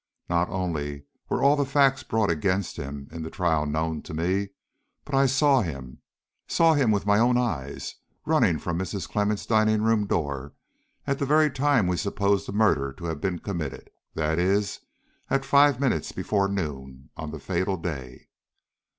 Not only were all the facts brought against him in the trial known to me, but I saw him saw him with my own eyes, running from Mrs. Clemmens' dining room door at the very time we suppose the murder to have been committed; that is, at five minutes before noon on the fatal day."